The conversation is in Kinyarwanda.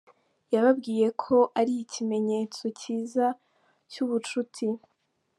Yababwiye ko ari ikimenyetso kiza cy’ubucuti.